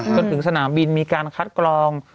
จนถึงสนามบินมีการคัดกรอง